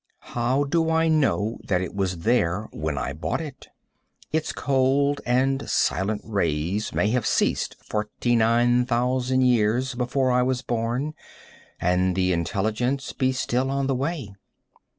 How do I know that it was there when I bought it? Its cold and silent rays may have ceased 49,000 years before I was born and the intelligence be still on the way.